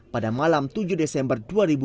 pada malam tujuh desember dua ribu empat belas